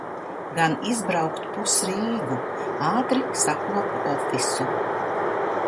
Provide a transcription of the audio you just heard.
Gan izbraukt pus Rīgu. Ātri sakopu ofisu.